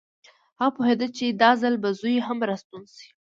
هغه پوهېده چې دا ځل به زوی هم راستون نه شي